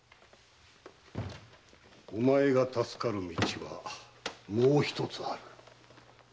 お前が助かる道はもう一つある。